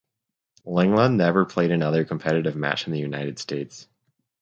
Lenglen never played another competitive match in the United States.